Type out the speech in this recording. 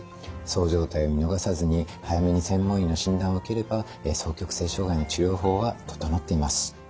そう状態を見逃さずに早めに専門医の診断を受ければ双極性障害の治療法は整っています。